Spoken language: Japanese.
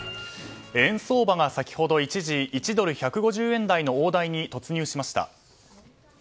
円相場が先ほど一時、１ドル＝１５０円の大台に突入しました。